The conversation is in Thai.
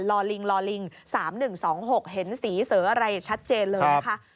ลิงลอลิง๓๑๒๖เห็นสีเสออะไรชัดเจนเลยนะคะ